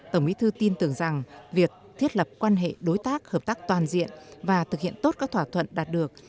tổng bí thư tin tưởng rằng việc thiết lập quan hệ đối tác hợp tác toàn diện và thực hiện tốt các thỏa thuận đạt được